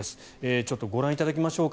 ちょっとご覧いただきましょうか。